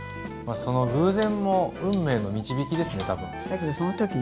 その偶然も運命の導きですね多分。